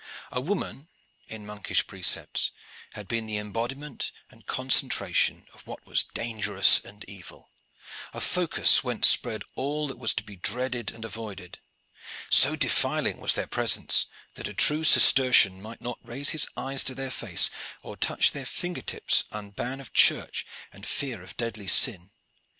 A woman, in monkish precepts, had been the embodiment and concentration of what was dangerous and evil a focus whence spread all that was to be dreaded and avoided. So defiling was their presence that a true Cistercian might not raise his eyes to their face or touch their finger tips under ban of church and fear of deadly sin.